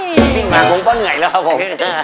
กลิ่นมากงงก็เหนื่อยแล้วครับผม